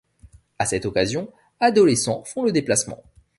À cette occasion, adolescents font le déplacement.